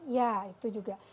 ya itu juga